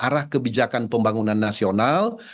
arah kebijakan pembangunan nasional